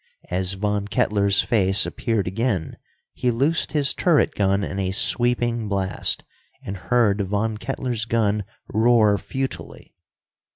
As Von Kettler's face appeared again, he loosed his turret gun in a sweeping blast, and heard Von Kettler's gun roar futilely.